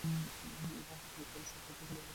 এই ভ্রান্তি ত্যাগ কর, সব দুঃখ চলিয়া যাইবে।